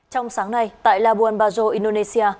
trong sáng nay tại labuan bajo indonesia